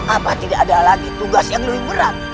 apa tidak ada lagi tugas yang lebih berat